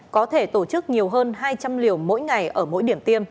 có thể tổ chức nhiều hơn hai trăm linh liều mỗi ngày ở mỗi điểm tiêm